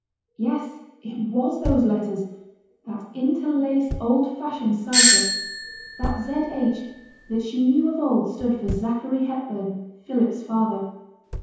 Yes, it was those letters that interlaced, old fashioned cipher. That Z. H. that she knew of old stood for Zachary Hepburn, Philip's father.